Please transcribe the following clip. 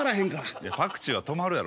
いやパクチーは止まるやろ。